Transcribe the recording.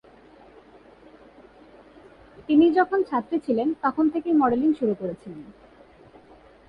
তিনি যখন ছাত্রী ছিলেন তখন থেকেই মডেলিং শুরু করেছিলেন।